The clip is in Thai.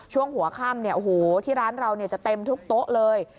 ช่วงหัวค่ำที่ร้านเราจะเต็มทุกโต๊ะเลย